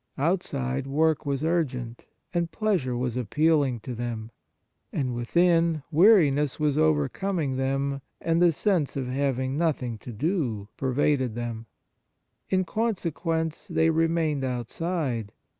Outside work was urgent, and pleasure was appealing to them ; and within, weariness was overcoming them, and the sense of having nothing to do pervaded them. 4 8 The Liturgical Offices In consequence they remained out side.